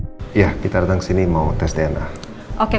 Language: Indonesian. kalau begitu ya kita datang ke sini mau tes dna oke kalau begitu